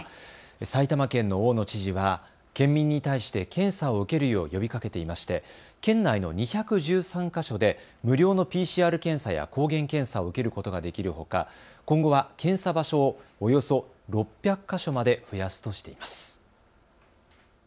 埼玉県の大野知事は県民に対して検査を受けるよう呼びかけていまして県内の２１３か所で無料のＰＣＲ検査や抗原検査を受けることができるほか今後は検査場所をおよそ６００か所まで増やすとしています。